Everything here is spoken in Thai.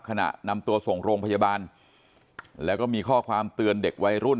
ขณะนำตัวส่งโรงพยาบาลแล้วก็มีข้อความเตือนเด็กวัยรุ่น